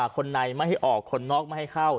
คนในไม่ให้ออกคนนอกไม่ให้เข้า